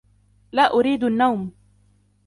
لا أريد النوم